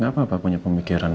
gak apa apa punya pemikiran